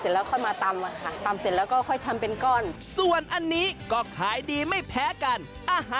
ส่วนมาก็จะเรียกข้อเลี้ยงฟืนมาเป็นสูตรของจินยูนานนะคะ